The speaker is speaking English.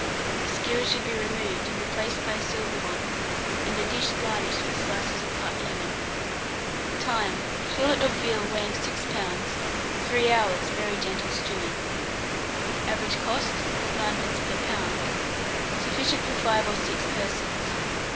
The skewers should be removed, and replaced by a silver one, and the dish garnished with slices of cut lemon. Time. A. fillet of veal weighing 6 lbs., 3 hours' very gentle stewing. Average cost, 9d. per lb. Sufficient for 5 or 6 persons.